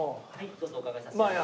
どうぞお伺いさせて頂きます。